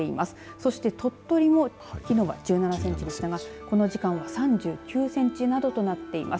そして鳥取もきのうは１７センチでしたがこの時間は３９センチなどとなっています。